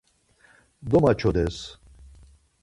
Domaçodes.